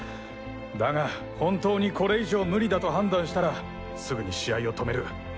だが本当にこれ以上無理だと判断したらすぐに試合を止める。